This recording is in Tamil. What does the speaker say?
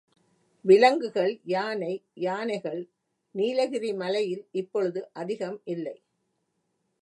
விலங்குகள் யானை யானைகள் நீலகிரி மலையில் இப்பொழுது அதிகமில்லை.